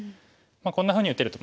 こんなふうに打てると。